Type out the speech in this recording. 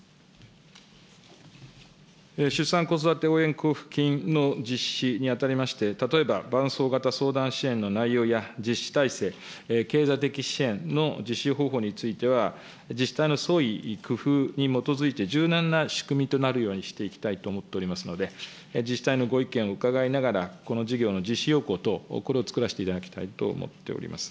出産・子育て応援交付金の実施にあたりまして、例えば伴走型相談支援の内容や実施体制、経済的支援の実施方法については、自治体の創意工夫に基づいて、柔軟な仕組みとなるようにしていきたいと思っておりますので、自治体のご意見を伺いながら、この事業の実施要項とこれを作らせていただきたいと思っております。